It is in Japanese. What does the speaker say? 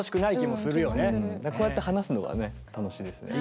こうやって話すのがね楽しいですよね。